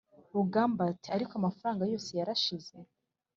rugamba ati: "ariko amafaranga yose yarashize,